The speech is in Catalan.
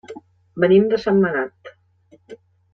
Venim de Sentmenat.